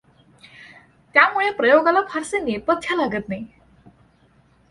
त्यामुळे प्रयोगाला फारसे नेपथ्य लागत नाही.